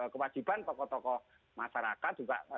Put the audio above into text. kewajiban tokoh tokoh masyarakat juga